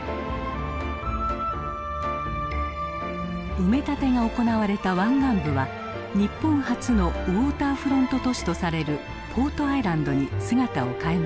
埋め立てが行われた湾岸部は日本初のウォーターフロント都市とされるポートアイランドに姿を変えました。